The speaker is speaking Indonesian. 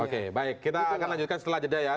oke baik kita akan lanjutkan setelah jeda ya